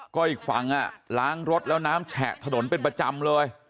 ก็อีกฝั่งล้างรถแล้วน้ำแฉะถนนเป็นประจำเลย